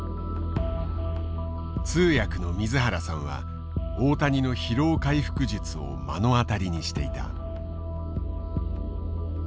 通訳の水原さんは大谷の疲労回復術を目の当たりにしていた。